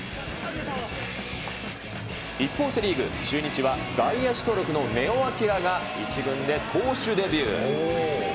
一方、セ・リーグ、中日は外野手登録の根尾昂が１軍で投手デビュー。